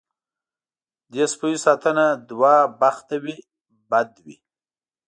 دې سپیو ساتنه دوه بخته وي بد وي.